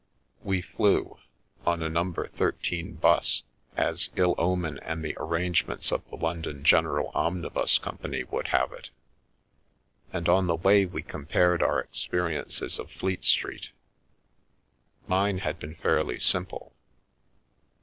We flew — on a No. 13 This, as ill omen and the ar rangements of the London General Omnibus Company would have it — and on the way we compared our ex periences of Fleet Street. Mine had been fairly simple.